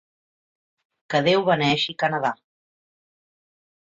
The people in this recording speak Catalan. Que Déu beneeixi Canadà.